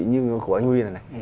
như của anh huy này